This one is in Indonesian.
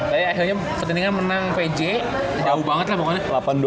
tapi akhirnya pertandingan menang pj jauh banget lah pokoknya